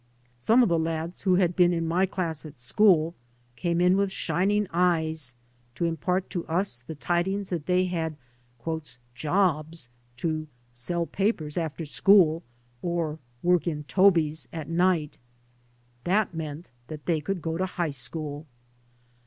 Some of the lads who had been in my class at school came in with shining eyes to impart to us the tidings that they had " jobs " to " sell papers after school," or " work in tobies at night." That meant that they could go to high school.